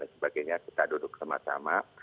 sebagainya kita duduk sama sama